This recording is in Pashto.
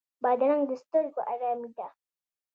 بادرنګ د سترګو آرامي ده.